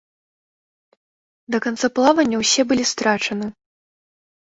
Да канца плавання ўсе былі страчаны.